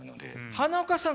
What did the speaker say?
花岡さん